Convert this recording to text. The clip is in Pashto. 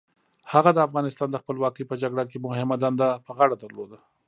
هغه د افغانستان د خپلواکۍ په جګړه کې مهمه دنده په غاړه درلوده.